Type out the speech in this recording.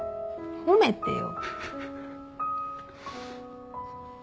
褒めてよ。